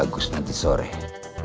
aku udah lima tahun lagi